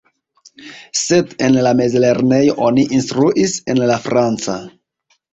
Sed en la mezlernejo oni instruis en la franca.